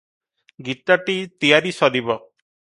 ଗୀତଟି ତିଆରି ସରିବ ।